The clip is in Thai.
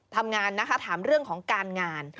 ทำงานนะคะถามเรื่องของการงาน